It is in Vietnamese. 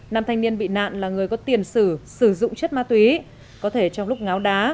nam thanh niên bị nạn là người có tiền sử dụng chất ma túy có thể trong lúc ngáo đá